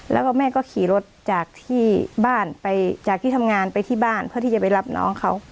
แล้วก็แม่ก็ขี่รถจากที่บ้านไปจากที่ทำงานไปที่บ้านเพื่อที่จะไปรับน้องเขา